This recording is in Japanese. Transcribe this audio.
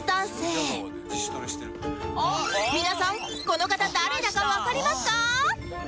皆さんこの方誰だかわかりますか？